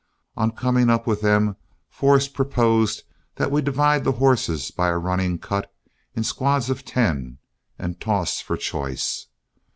On coming up with them, Forrest proposed that we divide the horses by a running cut in squads of ten, and toss for choice.